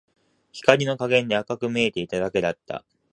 光の加減で赤く見えていただけだった